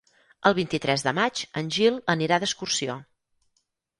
El vint-i-tres de maig en Gil anirà d'excursió.